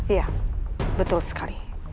iya betul sekali